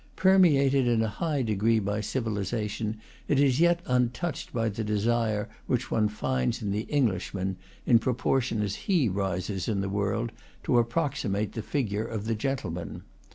Permeated in a high degree by civilization, it is yet untouched by the desire which one finds in the Englishman, in proportion as he rises in the world, to approximate to the figure of the gentleman.